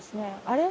あれ？